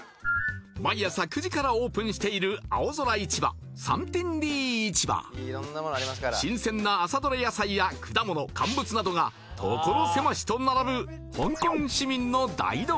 毎朝９時からオープンしている青空市場サンティンディ市場新鮮な朝どれ野菜や果物乾物などが所狭しと並ぶうわ